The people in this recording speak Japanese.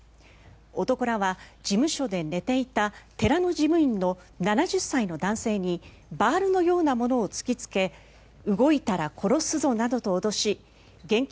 男らは事務所で寝ていた寺の事務員の７０歳の男性にバールのようなものを突きつけ動いたら殺すぞなどと脅し現金